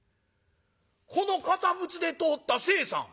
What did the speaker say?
「この堅物で通った清さん。